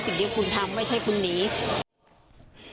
สิ่งที่คุณทำไม่ใช่คุณหนี